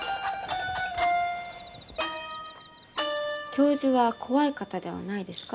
教授は怖い方ではないですか？